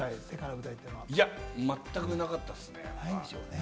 いや、まったくなかったですね。